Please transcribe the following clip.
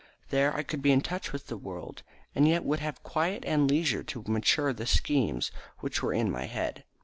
There I could be in touch with the world, and yet would have quiet and leisure to mature the schemes which were in my head.